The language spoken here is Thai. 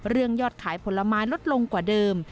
ยอดขายผลไม้ลดลงกว่าเดิม